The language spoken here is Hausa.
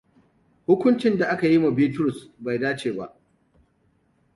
Hukuncin da akayi ma Bitrus bai dace ba.